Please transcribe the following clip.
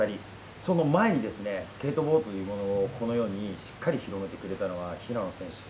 その前にスケートボードというものを、このようにしっかり広めてくれたのは平野選手。